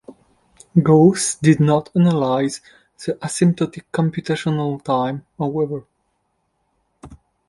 Gauss did not analyze the asymptotic computational time, however.